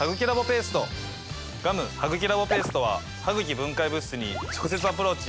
ガム・ハグキラボペーストはハグキ分解物質に直接アプローチ。